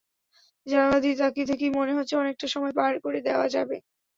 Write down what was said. জানালা দিয়ে তাকিয়ে থেকেই মনে হচ্ছে অনেকটা সময় পার করে দেওয়া যাবে।